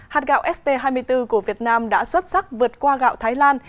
hạt gạo st hai mươi bốn của việt nam đã xuất sắc vượt qua gạo thái lan